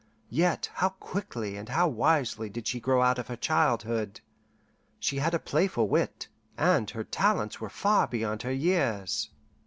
Yet how quickly and how wisely did she grow out of her childhood! She had a playful wit, and her talents were far beyond her years.